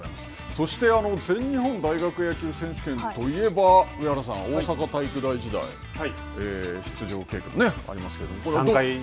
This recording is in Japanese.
そして、全日本大学野球選手権といえば、上原さん、大阪体育大時代、出場経験がありますけれども。